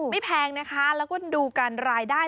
แพงนะคะแล้วก็ดูกันรายได้